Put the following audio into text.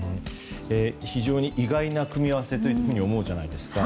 非常に意外な組み合わせと思うじゃないですか。